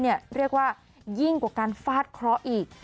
เรียกว่ายิ่งกว่าการฟาดเคราะห์อีก